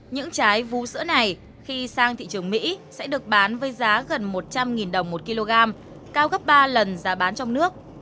những trái vú sữa này khi sang thị trường mỹ sẽ được bán với giá gần một trăm linh đồng một kg cao gấp ba lần giá bán trong nước